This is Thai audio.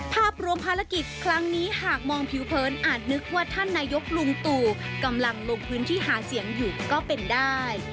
ภาพรวมภารกิจครั้งนี้หากมองผิวเผินอาจนึกว่าท่านนายกลุงตู่กำลังลงพื้นที่หาเสียงอยู่ก็เป็นได้